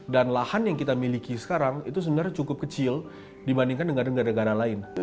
dan lahan yang kita miliki sekarang itu sebenarnya cukup kecil dibandingkan dengan negara negara lain